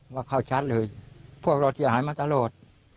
ว่าเข้าชัดเลยพวกเราเสียหายมาตลอด